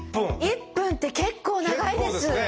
１分って結構長いです！